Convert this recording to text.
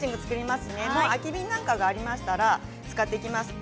空き瓶なんかがあったら使っていきます。